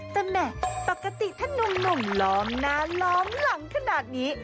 แต่แหม่ปกติถ้านุ่มล้อมหน้าล้อมหลังขนาดนี้